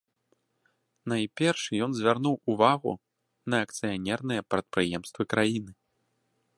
Найперш ён звярнуў увагу на акцыянерныя прадпрыемствы краіны.